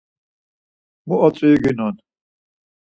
Mu odziru ginon?